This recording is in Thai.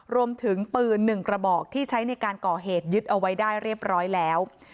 รวมถึงปืน๑กระบอกที่ใช้ในการก่อเหตุยึดเอาไว้ได้เรียบร้อยแล้ว